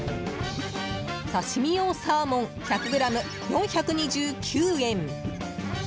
刺し身用サーモン１００ｇ４２９円。